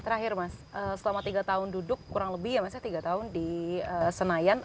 terakhir mas selama tiga tahun duduk kurang lebih ya mas ya tiga tahun di senayan